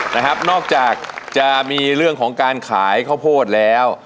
นะครับนอกจากจะมีเรื่องของการขายข้าวโพดแล้ว